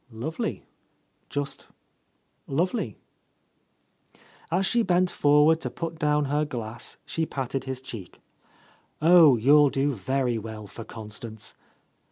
"Lovely. Just lovely." As she bent forward to put down her glass she patted his cheek. "Oh, you'll do very well for Constance!"